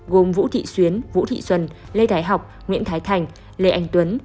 gồm vũ thị xuyến vũ thị xuân lê thái học nguyễn thái thành lê anh tuấn